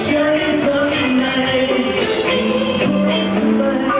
ฉันจะรักคุณทุกคนมากครับผม